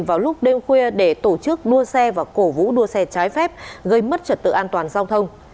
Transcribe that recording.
vào lúc đêm khuya để tổ chức đua xe và cổ vũ đua xe trái phép gây mất trật tự an toàn giao thông